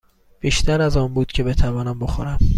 بیشتر از آن بود که بتوانم بخورم.